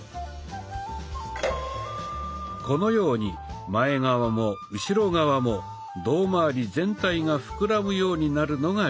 このように前側も後ろ側も胴まわり全体がふくらむようになるのが理想的。